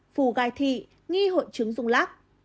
phù gai thị nghi hội chứng dùng lọc